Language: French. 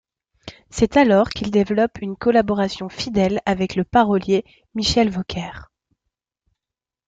C'est alors qu'il développe une collaboration fidèle avec le parolier Michel Vaucaire.